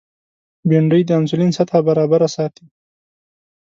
بېنډۍ د انسولین سطحه برابره ساتي